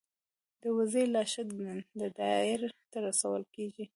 د وزې لاشه د دایرې ته رسول کیږي.